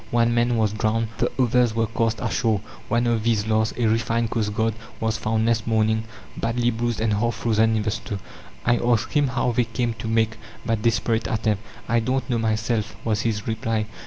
One man was drowned, the others were cast ashore. One of these last, a refined coastguard, was found next morning, badly bruised and half frozen in the snow. I asked him, how they came to make that desperate attempt? "I don't know myself," was his reply."